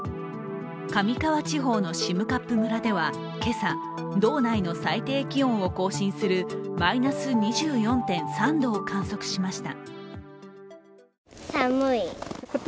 上川地方の占冠村では今朝道内の最低気温を更新するマイナス２４．３度を観測しました。